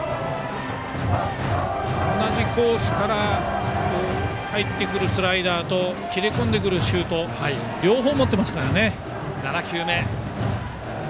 同じコースから入ってくるスライダーと切れ込んでくるシュートを両方持っていますからね。